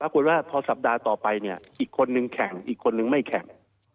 ปรากฏว่าพอสัปดาห์ต่อไปเนี่ยอีกคนนึงแข่งอีกคนนึงไม่แข่ง